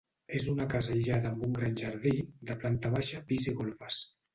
És una casa aïllada amb un gran jardí, de planta baixa, pis i golfes.